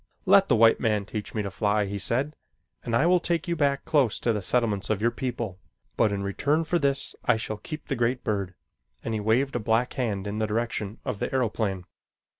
"Let the white man teach me to fly," he said, "and I will take you back close to the settlements of your people, but in return for this I shall keep the great bird," and he waved a black hand in the direction of the aeroplane.